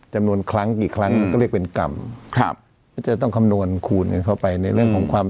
จำนวนครั้งกี่ครั้งมันก็เรียกเป็นกรรมครับก็จะต้องคำนวณคูณกันเข้าไปในเรื่องของความ